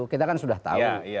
kita kan sudah tahu